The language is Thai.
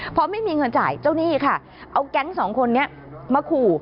พอไม่มีเงินจ่ายเจ้าหนี้ค่ะเอาแก๊งสองคนนี้มาขู่